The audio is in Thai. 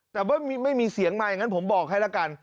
แต่ว่าไม่มีเสียงมาอย่างนั้นผมบอกให้ละกัน